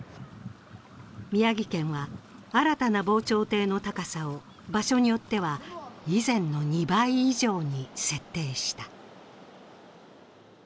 宮城県は新たな防潮堤の高さを場所によっては、以前の２倍以上に設定した。